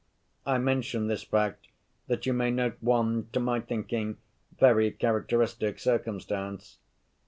"I mention this fact that you may note one, to my thinking, very characteristic circumstance.